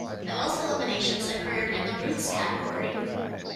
The most eliminations occurred in the roots category.